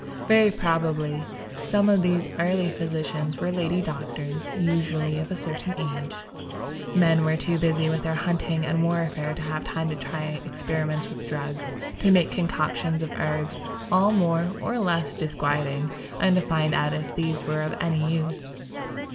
Very probably some of these early physicians were lady doctors usually of a certain age. Men were too busy with their hunting and warfare to have time to try experiments with drugs, to make concoctions of herbs all more or less disquieting and to find out if these were of any use.